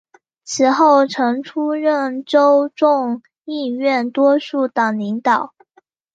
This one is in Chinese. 此后曾出任州众议院多数党领袖。